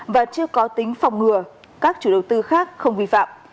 và chưa có tính phòng ngừa các chủ đầu tư khác không vi phạm